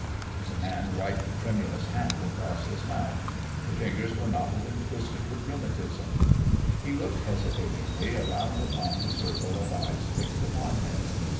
The man wiped a tremulous hand across his mouth; the fingers were knotted and twisted with rheumatism. He looked hesitatingly around upon the circle of eyes fixed upon him.